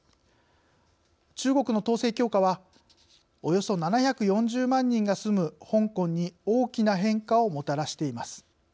中国の統制強化はおよそ７４０万人が住む香港に大きな変化をもたらしています。